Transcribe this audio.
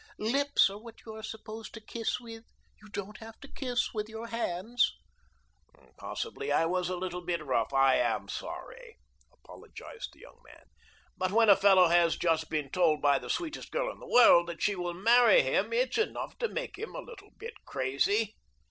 Lips are what you are supposed to kiss with you don't have to kiss with your hands." "Possibly I was a little bit rough. I am sorry," apologized the young man. "But when a fellow has just been told by the sweetest girl in the world that she will marry him, it's enough to make him a little bit crazy."